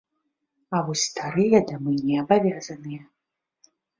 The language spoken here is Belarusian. А вось старыя дамы не абавязаныя.